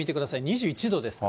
２１度ですね。